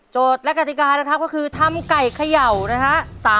และกติกานะครับก็คือทำไก่เขย่านะฮะ